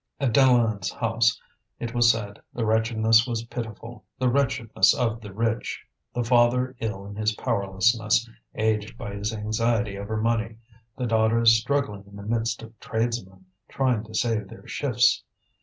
At Deneulin's house, it was said, the wretchedness was pitiful, the wretchedness of the rich; the father ill in his powerlessness, aged by his anxiety over money, the daughters struggling in the midst of tradesmen, trying to save their shifts.